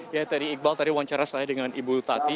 ya tadi iqbal tadi wawancara saya dengan ibu tati